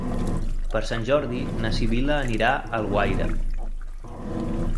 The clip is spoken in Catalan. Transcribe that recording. Per Sant Jordi na Sibil·la anirà a Alguaire.